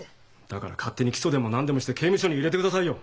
だから勝手に起訴でも何でもして刑務所に入れてくださいよ。